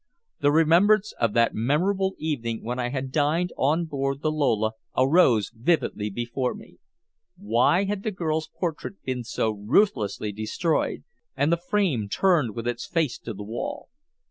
The remembrance of that memorable evening when I had dined on board the Lola arose vividly before me. Why had the girl's portrait been so ruthlessly destroyed and the frame turned with its face to the wall?